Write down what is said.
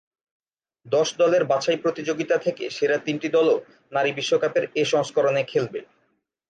দশ দলের বাছাই প্রতিযোগিতা থেকে সেরা তিনটি দলও নারী বিশ্বকাপের এ সংস্করণে খেলবে।